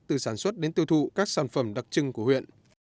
từ sản xuất đến tiêu thụ các sản phẩm đặc trưng của huyện